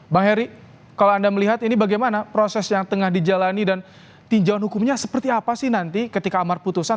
bang heri kalau anda melihat ini bagaimana proses yang tengah dijalani dan tinjauan hukumnya seperti apa sih nanti ketika amar putusan